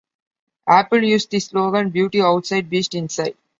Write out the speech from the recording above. Apple used the slogan Beauty outside, Beast inside.